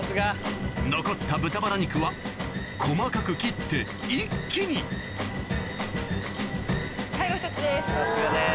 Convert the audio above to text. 残った豚バラ肉は細かく切って一気にさすがです。